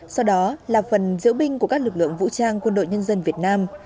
sau đó là phần diễu binh của các lực lượng vũ trang quân đội nhân dân việt nam